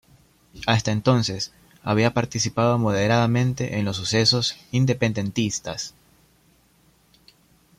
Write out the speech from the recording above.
Hasta entonces, había participado moderadamente en los sucesos independentistas.